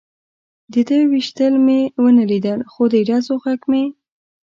د ده وېشتل مې و نه لیدل، خو د ډزو غږ مې.